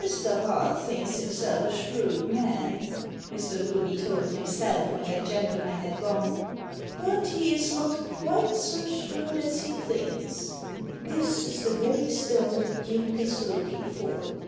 "Mr. Hart thinks himself a shrewd man," Mr. Ruby told himself when that gentleman had gone, "but he is not quite so shrewd as he thinks. This is the very stone the Duke is looking for.